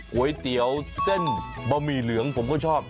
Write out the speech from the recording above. ก๋วยเตี๋ยวเส้นบะหมี่เหลืองผมก็ชอบ